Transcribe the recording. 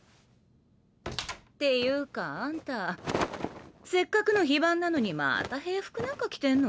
っていうかあんたせっかくの非番なのにまた兵服なんか着てんの？